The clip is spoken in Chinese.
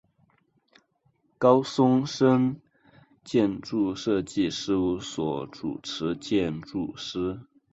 高松伸建筑设计事务所主持建筑师。